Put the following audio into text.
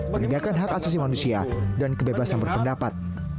penegakan hak asasi manusia dan kebebasan berpendapat